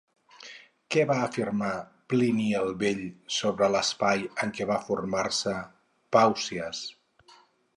Què va afirmar Plini el Vell sobre l'espai en què va formar-se Pàusies?